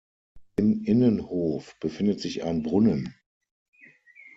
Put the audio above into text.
Im Innenhof befindet sich ein Brunnen.